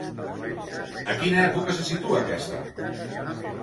A quina època se situa aquesta?